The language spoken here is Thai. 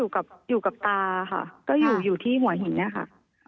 ก็อยู่กับตาค่ะก็อยู่ที่หัวหินเนี่ยค่ะ